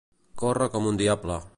Córrer com un diable.